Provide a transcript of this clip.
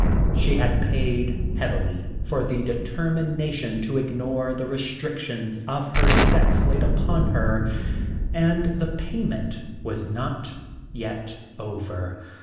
She had paid heavily for the determination to ignore the restrictions of her sex laid upon her and the payment was not yet over.